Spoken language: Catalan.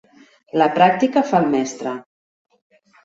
La pràctica fa el mestre